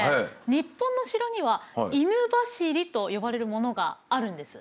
日本の城には犬走りと呼ばれるものがあるんです。